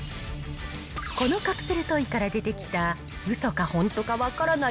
このカプセルトイから出てきた、うそか本当か分からない